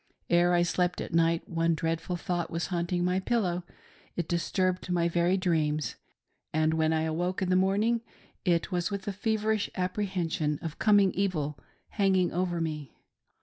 Ere I slept at night one dreadful thought was haunting my pillow, — ^it disturbed my very dreams, — and when I awoke in the morning, it was with a feverish apprehension of coming evil hanging over me.